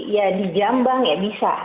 ya di jambang ya bisa